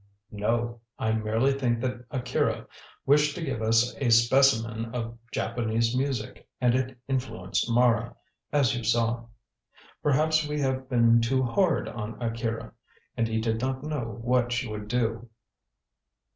"No! I merely think that Akira wished to give us a specimen of Japanese music, and it influenced Mara, as you saw. Perhaps we have been too hard on Akira, and he did not know what she would do."